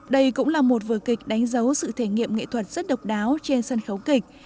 đây cũng là một vừa kịch đánh dấu sự thể nghiệm nghệ thuật rất độc đáo trên sân khấu kịch